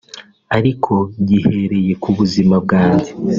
ariko gihereye ku buzima bwanjye